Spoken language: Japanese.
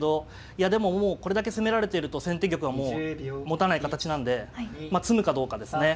もうこれだけ攻められてると先手玉はもうもたない形なんでまあ詰むかどうかですね。